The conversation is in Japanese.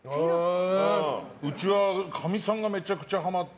うちは、かみさんがめちゃくちゃハマって。